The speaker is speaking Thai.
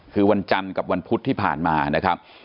คือวันจันทร์กับวันพุธที่ผ่านมานะครับ